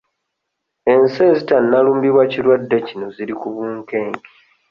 Ensi ezitannalumbibwa kirwadde kino ziri ku bunkenke.